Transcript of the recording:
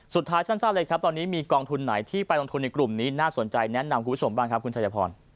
สั้นเลยครับตอนนี้มีกองทุนไหนที่ไปลงทุนในกลุ่มนี้น่าสนใจแนะนำคุณผู้ชมบ้างครับคุณชายพร